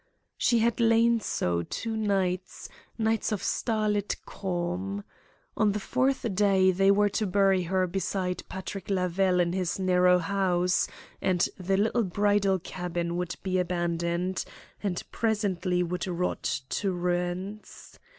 She had lain so two nights, nights of starlit calm. On the fourth day they were to bury her beside Patrick Lavelle in his narrow house, and the little bridal cabin would be abandoned, and presently would rot to ruins.